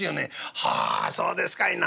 「はあそうですかいな」。